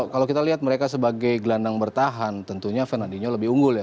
kalau kita lihat mereka sebagai gelandang bertahan tentunya fernadino lebih unggul ya